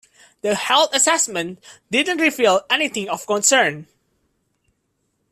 The health assessment didn't reveal anything of concern.